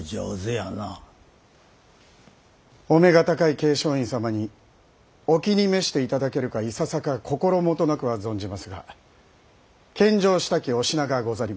桂昌院様にお気に召して頂けるかいささか心もとなくは存じますが献上したきお品がござります。